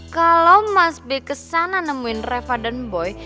kalau mas b kesana nemuin reva dan boy